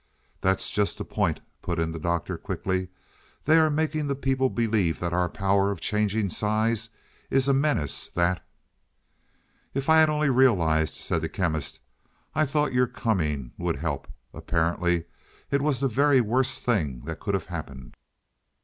"That's just the point," put in the Doctor quickly. "They are making the people believe that our power of changing size is a menace that " "If I had only realized," said the Chemist. "I thought your coming would help. Apparently it was the very worst thing that could have happened."